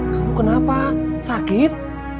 kamu kenapa sakit